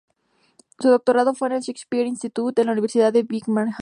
Su doctorado fue en el "Shakespeare Institute", en la Universidad de Birmingham.